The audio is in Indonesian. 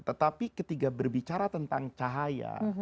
tetapi ketika berbicara tentang cahaya